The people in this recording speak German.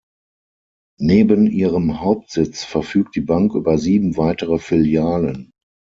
Neben ihrem Hauptsitz verfügt die Bank über sieben weitere Filialen.